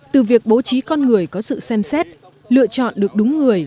từ việc bố trí con người có sự xem xét lựa chọn được đúng người